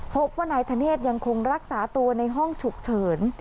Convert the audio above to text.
พบว่านายธเนธยังคงรักษาตัวในห้องฉุกเฉิน